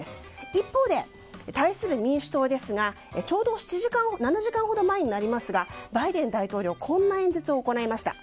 一方で、対する民主党ですが７時間ほど前になりますがバイデン大統領こんな演説を行いました。